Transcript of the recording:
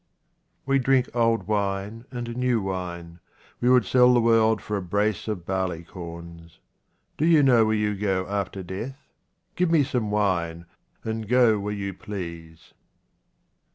We drink old wine and new wine ; we would 22 QUATRAINS OF OMAR KHAYYAM sell the world for a brace of barleycorns. Do you know where you go after death ? Give me some wine, and go where you please.